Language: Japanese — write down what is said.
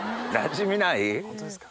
ホントですか？